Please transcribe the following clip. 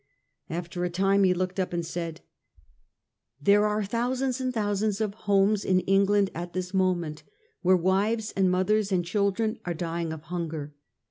After a time he looked up and said: ' There are thousands and thousands of homes in England at this moment where wives and mothers and children are dying of hunger.